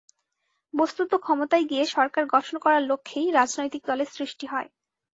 বস্তুত ক্ষমতায় গিয়ে সরকার গঠন করার লক্ষ্যেই রাজনৈতিক দলের সৃষ্টি হয়।